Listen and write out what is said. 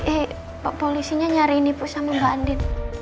eh pak polisinya nyariin ibu sama mbak andien